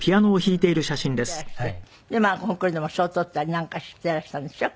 コンクールでも賞取ったりなんかしていらしたんでしょ？